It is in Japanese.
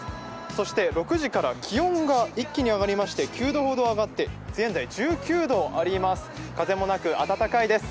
そして６時から気温が一気に９度ほど上がって、現在１９度です。